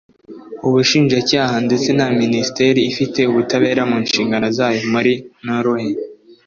ubushinjacyaha ndetse na Ministeri ifite ubutabera mu nshingano zayo muri Norway